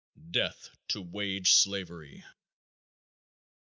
_Death to Wage Slavery.